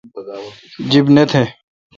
جب نہ تھ